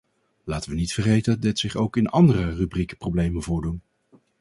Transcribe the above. Laten we niet vergeten dat zich ook in andere rubrieken problemen voordoen.